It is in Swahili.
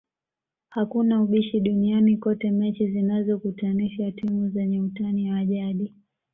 Hakuna ubishi duniani kote mechi zinazokutanisha timu zenye utani wa jadi